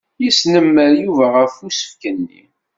Yesnemmer Yuba ɣef usefk-nni.